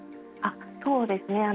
あっそうですね。